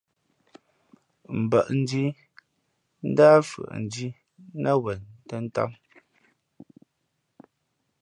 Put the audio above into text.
Mbᾱʼndhǐ ndǎh fʉαʼndhǐ nά wen tᾱ tām.